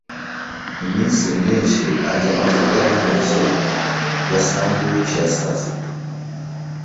Iminsi myinshi arya amavuta yintoki ya sandwich ya sasita.